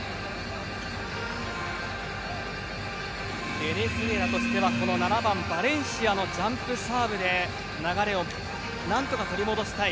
ベネズエラとしてはこの７番、バレンシアのジャンプサーブで流れをなんとか取り戻したい。